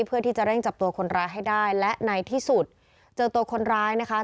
เพื่อที่จะเร่งจับตัวคนร้ายให้ได้และในที่สุดเจอตัวคนร้ายนะคะ